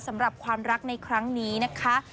สำหรับความรักในครั้งนี้นะคะ